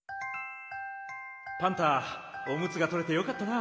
パンタオムツがとれてよかったな。